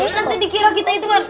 kan tadi kira kita itu kan